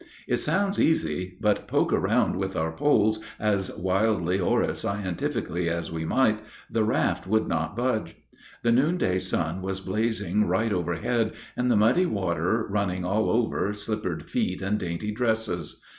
It sounds easy; but poke around with our poles as wildly or as scientifically as we might, the raft would not budge. The noonday sun was blazing right overhead, and the muddy water running all over slippered feet and dainty dresses.